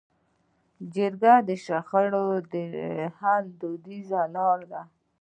جرګه د شخړو د حل دودیزه لاره ده.